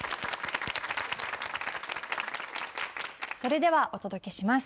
それではお届けします。